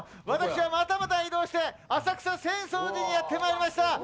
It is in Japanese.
私はまたまた移動して浅草・浅草寺にやってまいりました。